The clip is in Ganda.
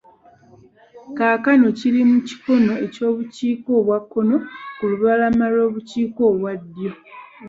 Kaakano kiri mu kikono eky'obukiika obwa kkono ku lubalama olw'obukiika obwa ddyo.